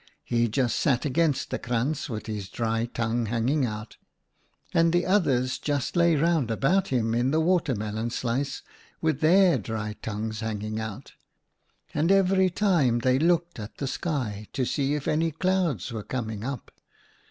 He just sat against the krantz with his dry tongue hanging out, and the others just lay round about in the water melon slice with their dry tongues hanging oo OUTA KAREL'S STORIES out, and every time they looked at the sky to see if any clouds were coming up.